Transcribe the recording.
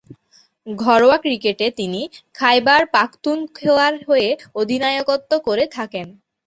ঘরোয়া ক্রিকেটে তিনি খাইবার পাখতুনখোয়ার হয়ে অধিনায়কত্ব করে থাকেন।